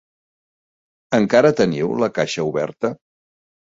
Encara teniu la caixa oberta?